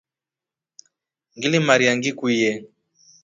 Ngilimarya ngiukye.